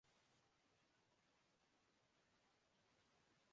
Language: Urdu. اُبلے ہوئے چاولوں کے علاوہ گروی رکھنے کے لیے کچھ بھی نہیں ہوتا